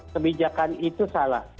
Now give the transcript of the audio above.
kebijakan itu salah